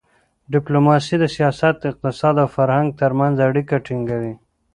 ډیپلوماسي د سیاست، اقتصاد او فرهنګ ترمنځ اړیکه ټینګوي.